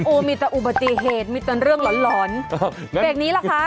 อู๋มีแต่อุบัติเหตุมีแต่เรื่องหลอนเบรกนี้ละคะ